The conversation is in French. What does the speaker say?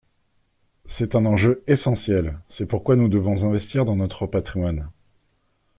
C’est un enjeu essentiel : c’est pourquoi nous devons investir dans notre patrimoine.